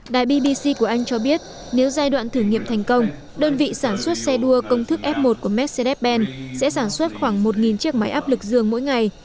đài bbc của anh cho biết nếu giai đoạn thử nghiệm thành công đơn vị sản xuất xe đua công thức f một của mercedes benz sẽ sản xuất khoảng một chiếc máy áp lực dường mỗi ngày